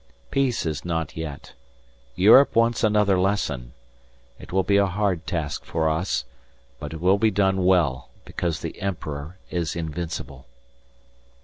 Peace is not yet. Europe wants another lesson. It will be a hard task for us, but it will be done well, because the emperor is invincible."